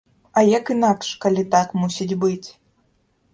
А як інакш, калі так мусіць быць!